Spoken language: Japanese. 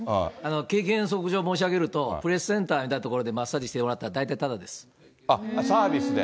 経験則上申し上げると、プレスセンターみたいな所でマッサージしてもらったら、大体ただサービスで？